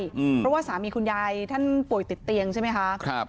เพราะว่าสามีคุณยายท่านป่วยติดเตียงใช่ไหมคะครับ